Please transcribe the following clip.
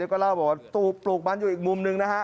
ก็เล่าบอกว่าตูบปลูกมันอยู่อีกมุมหนึ่งนะฮะ